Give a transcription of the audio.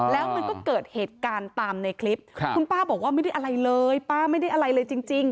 แล้วมันก็เกิดเหตุการณ์ตามในคลิปคุณป้าบอกว่าไม่ได้อะไรเลยป้าไม่ได้อะไรเลยจริง